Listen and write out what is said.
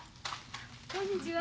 こんにちは。